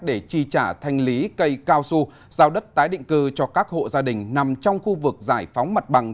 để chi trả thanh lý cây cao su giao đất tái định cư cho các hộ gia đình nằm trong khu vực giải phóng mặt bằng